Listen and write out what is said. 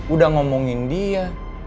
udah ngomongin dia